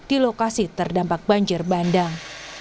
di lokasi terdampak banjir bandang